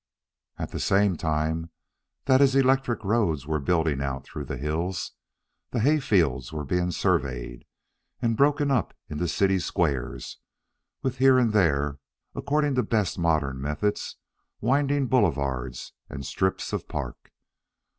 At the same time that his electric roads were building out through the hills, the hay fields were being surveyed and broken up into city squares, with here and there, according to best modern methods, winding boulevards and strips of park.